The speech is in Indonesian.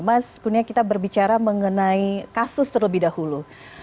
mas kunia kita berbicara mengenai kasus terlebih dahulu